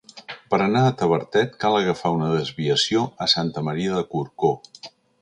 Per anar a Tavertet cal agafar una desviació a Santa Maria de Corcó.